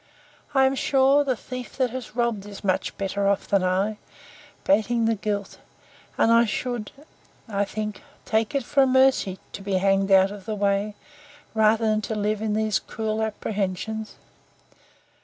I am sure, the thief that has robbed is much better off than I, 'bating the guilt; and I should, I think, take it for a mercy, to be hanged out of the way, rather than live in these cruel apprehensions.